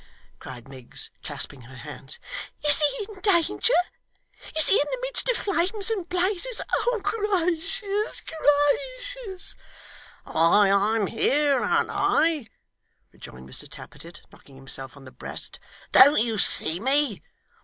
cried Miggs, clasping her hands. 'Is he in any danger? Is he in the midst of flames and blazes! Oh gracious, gracious!' 'Why I'm here, an't I?' rejoined Mr Tappertit, knocking himself on the breast. 'Don't you see me?